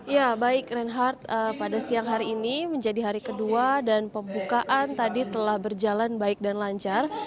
ya baik reinhardt pada siang hari ini menjadi hari kedua dan pembukaan tadi telah berjalan baik dan lancar